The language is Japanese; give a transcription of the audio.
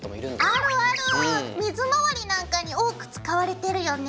水回りなんかに多く使われてるよね。